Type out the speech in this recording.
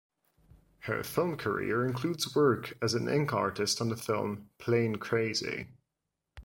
Her film career includes work as an ink artist on the film "Plane Crazy".